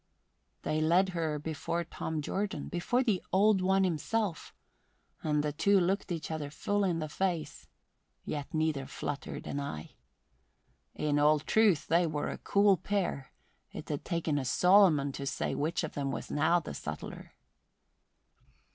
They led her before Tom Jordan before the Old One himself and the two looked each other full in the face, yet neither fluttered an eye. In all truth they were a cool pair; it had taken a Solomon to say which of them was now the subtler.